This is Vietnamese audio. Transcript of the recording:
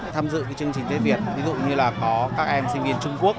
tham dự chương trình tết việt ví dụ như là có các em sinh viên trung quốc